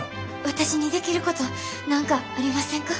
私にできること何かありませんか？